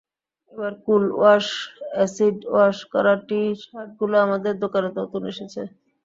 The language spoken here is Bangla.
এবার কুল ওয়াশ, অ্যাসিড ওয়াশ করা টি-শার্টগুলো আমাদের দোকানে নতুন এসেছে।